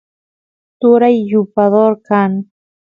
turay yupador kan